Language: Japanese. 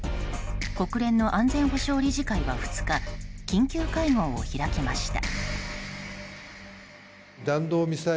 国連の安全保障理事会は２日緊急会合を開きました。